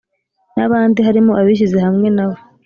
n abandi harimo abishyize hamwe na we